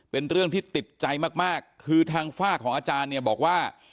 เป็นเรื่องที่ติดใจมากมากคือทางฝ้าของอาจารย์เนี่ยบอกว่า